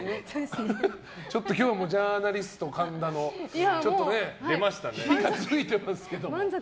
ちょっと今日はジャーナリスト神田の火が付いてますけど。